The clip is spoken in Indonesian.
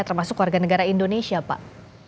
termasuk warga negara indonesia pak